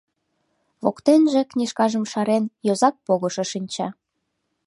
Воктенже, книжкажым шарен, йозак погышо шинча.